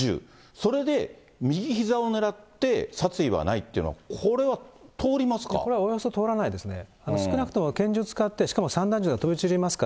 それで、右ひざをねらって殺意はないっていうのは、これはおおよそ通らないですね。